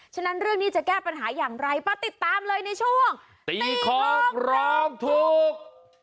ฉะนั้นเรื่องนี้จะแก้ปัญหาอย่างไรมาติดตามเลยในช่วงตีของร้องถูก